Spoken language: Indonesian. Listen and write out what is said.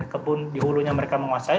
kebun di hulunya mereka menguasai